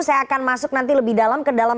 saya akan masuk nanti lebih dalam ke dalam